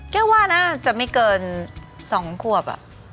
แก้วว่าน่าจะไม่เกินสองขวบอ่ะ